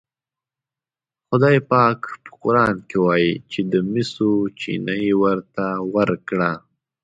خدای پاک په قرآن کې وایي چې د مسو چینه یې ورته ورکړه.